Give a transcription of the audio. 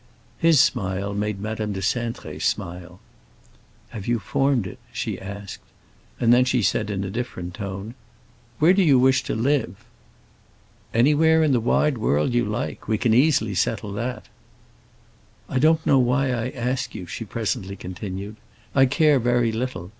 His smile made Madame de Cintré smile. "Have you formed it?" she asked. And then she said, in a different tone, "Where do you wish to live?" "Anywhere in the wide world you like. We can easily settle that." "I don't know why I ask you," she presently continued. "I care very little.